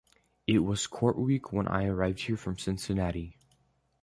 It was court week when I arrived here from Cincinnati.